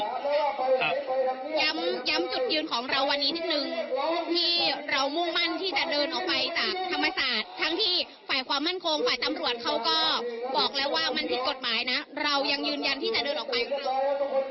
ย้ำจุดยืนของเราวันนี้นิดนึงที่เรามุ่งมั่นที่จะเดินออกไปจากธรรมศาสตร์ทั้งที่ฝ่ายความมั่นคงฝ่ายตำรวจเขาก็บอกแล้วว่ามันผิดกฎหมายนะเรายังยืนยันที่จะเดินออกไปของเรา